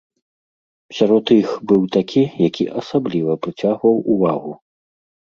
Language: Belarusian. Сярод іх быў такі, які асабліва прыцягваў увагу.